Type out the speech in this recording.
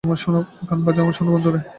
গান বাজাও, আমার সোনা বন্ধুরে তুমি।